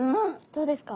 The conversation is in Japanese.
どうですか？